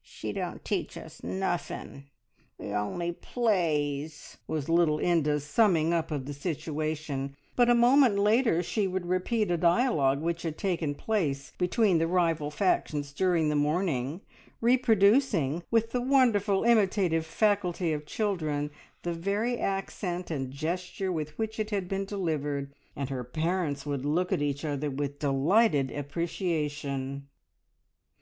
"She don't teach us nuffin': we only plays!" was little Inda's summing up of the situation; but a moment later she would repeat a dialogue which had taken place between the rival factions during the morning, reproducing, with the wonderful imitative faculty of children, the very accent and gesture with which it had been delivered, and her parents would look at each other with delighted appreciation.